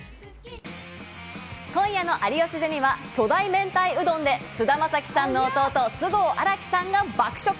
今夜の『有吉ゼミ』は巨大明太うどんで菅田将暉さんの弟・菅生新樹さんが爆食。